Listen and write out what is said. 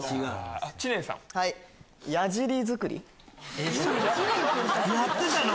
やってたの？